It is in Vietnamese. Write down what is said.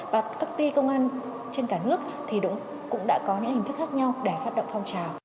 và các ti công an trên cả nước thì cũng đã có những hình thức khác nhau để phát động phong trào